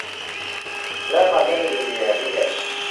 และมันไม่ได้ดูดีอย่างที่เห็น